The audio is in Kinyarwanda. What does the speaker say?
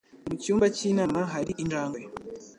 Mu cyumba cy'inama hari injangwe.